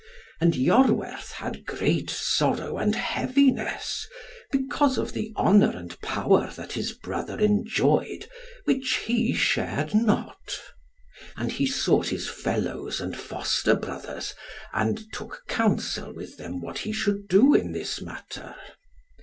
And Iorwerth had great sorrow and heaviness because of the honour and power that his brother enjoyed, which he shared not. And he sought his fellows and his foster brothers, and took counsel with them what he should do in this matter.